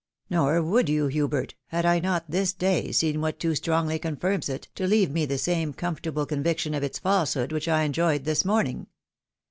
" Nor would you, Hubert, had I not this day seen what too strongly confirms it, to leave me the same comfortable convic tion of its falsehood which I enjoyed this morning.